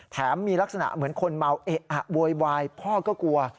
มีลักษณะเหมือนคนเมาเอะอะโวยวายพ่อก็กลัว